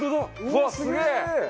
うわっすげえ！